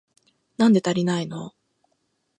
なんで足りないの？